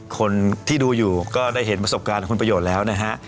คนที่ดูอยู่ก็ได้เห็นประสบการณ์คุณประโยชน์แล้วนะฮะ